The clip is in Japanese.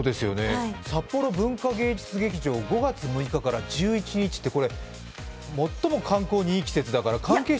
札幌文化芸術劇場、５月６日から１１日って、これ最も観光にいい季節だから関係者